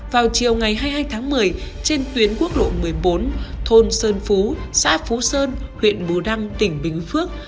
vào chiều ngày hai mươi hai tháng một mươi trên tuyến quốc lộ một mươi bốn thôn sơn phú xã phú sơn huyện bù đăng tỉnh bình phước